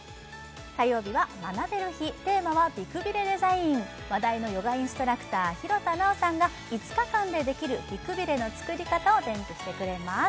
火曜日は学べる日テーマは美くびれデザイン話題のヨガインストラクター廣田なおさんが５日間でできる美くびれの作り方を伝授してくれます